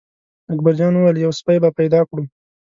اکبر جان وویل: یو سپی به پیدا کړو.